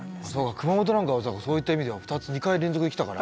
熊本なんかはそういった意味では２つ２回連続で来たから。